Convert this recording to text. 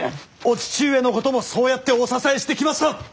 お父上のこともそうやってお支えしてきました。